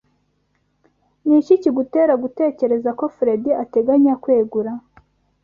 Niki kigutera gutekereza ko Fredy ateganya kwegura?